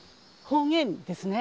方言ですね。